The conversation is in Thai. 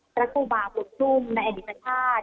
พระครูบาบุญชุ่มในอดีตชาติ